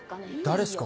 誰っすか？